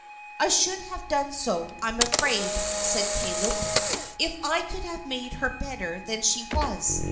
"I should have done so, I'm afraid," said Caleb, "if I could have made her better than she was.